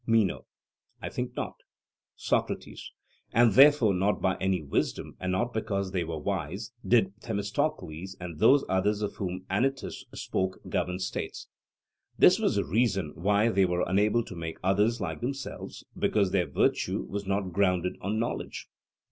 MENO: I think not. SOCRATES: And therefore not by any wisdom, and not because they were wise, did Themistocles and those others of whom Anytus spoke govern states. This was the reason why they were unable to make others like themselves because their virtue was not grounded on knowledge.